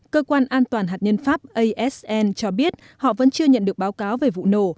cơ quan an toàn hạt nhân pháp asn cho biết họ vẫn chưa nhận được báo cáo về vụ nổ